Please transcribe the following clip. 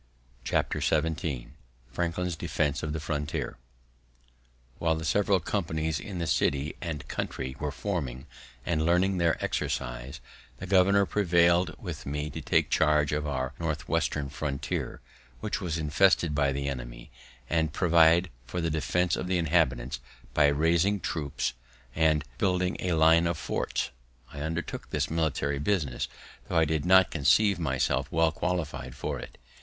Marg. note. XVII FRANKLIN'S DEFENSE OF THE FRONTIER While the several companies in the city and country were forming, and learning their exercise, the governor prevail'd with me to take charge of our North western frontier, which was infested by the enemy, and provide for the defense of the inhabitants by raising troops and building a line of forts. I undertook this military business, tho' I did not conceive myself well qualified for it.